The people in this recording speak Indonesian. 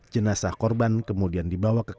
jenazah korban kemudian dibawa ke kamar